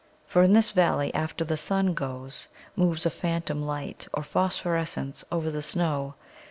For in this valley after the sun goes moves a phantom light or phosphorescence over the snow.